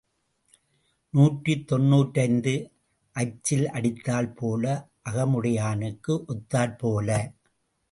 நூற்றி தொன்னூற்றைந்து அச்சில் அடித்தால் போல, அகமுடையானுக்கு ஒத்தாற்போல.